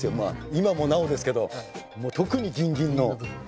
今もなおですけど特にギンギンの。